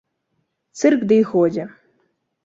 Цырк ды й годзе.